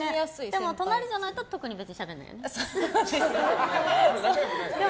でも隣じゃないと特にしゃべらないよね。